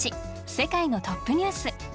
世界のトップニュース」。